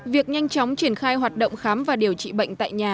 việc nhanh chóng triển khai hoạt động khám và điều trị bệnh tại nhà